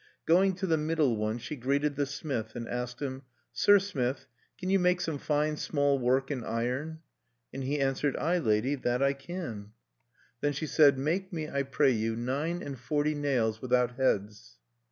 Going to the middle one, she greeted the smith, and asked him: "Sir smith, can you make some fine small work in iron?" And he answered: "Ay, lady, that I can." Then she said: "Make me, I pray you, nine and forty nails without heads."